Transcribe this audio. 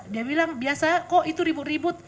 dia bilang biasa kok itu ribut ribut